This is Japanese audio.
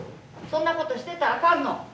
そんなことしてたらあかんの。